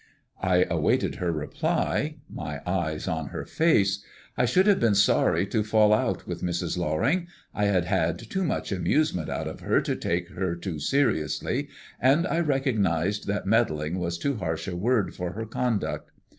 I awaited her reply, my eyes on her face. I should have been sorry to fall out with Mrs. Loring; I had had too much amusement out of her to take her too seriously, and I recognized that meddling was too harsh a word for her conduct.